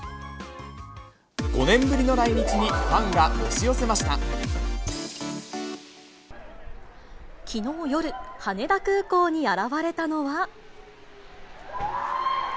５年ぶりの来日にファンが押きのう夜、羽田空港に現れたのは。